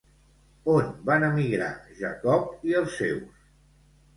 On van emigrar Jacob i els seus?